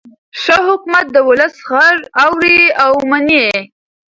ښه حکومت د ولس غږ اوري او مني.